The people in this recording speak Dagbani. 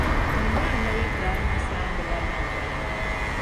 Timi ba Anabi Ibrahima saamba la lahibali.